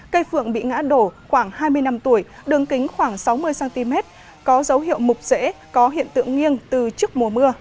cây phượng bị ngã đổ khoảng hai mươi năm tuổi đường kính khoảng sáu mươi cm có dấu hiệu mục rễ có hiện tượng nghiêng từ trước mùa mưa